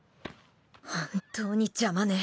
本当に邪魔ね。